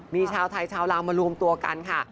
มีชาวไทยชาวลาวมารวมตัวกันค่ะ